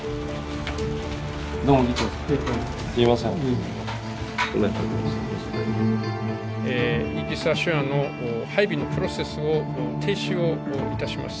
イージス・アショアの配備のプロセスを停止をいたします。